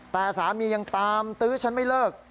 แต่สามียังตามตื้อฉันไม่เลิก